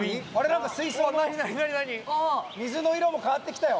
何か水槽の水の色も変わってきたよ・